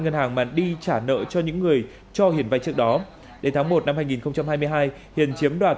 ngân hàng mà đi trả nợ cho những người cho hiền vay trước đó đến tháng một năm hai nghìn hai mươi hai hiền chiếm đoạt